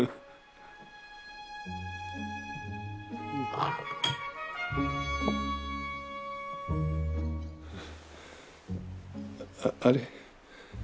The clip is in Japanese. あっあれ？